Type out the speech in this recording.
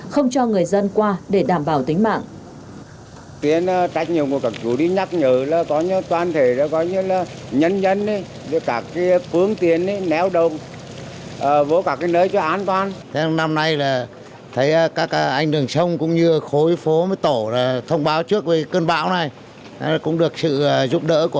không cho người dân qua để đảm bảo tính mạng